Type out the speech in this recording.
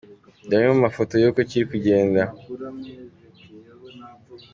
Dore amwe mu mafoto y’uko kiri kugenda :.